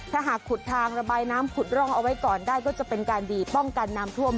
ถ้าหากขุดทางระบายน้ำขุดร่องเอาไว้ก่อนได้ก็จะเป็นการดีป้องกันน้ำท่วม